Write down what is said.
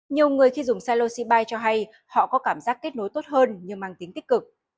nhiều người khi dùng psilocybe cho hay họ có cảm giác kết nối tốt hơn nhưng mang tính tích cực